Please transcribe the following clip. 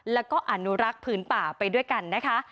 แล้วก็อนุรักษ์พื้นป่าไปด้วยกันนะคะ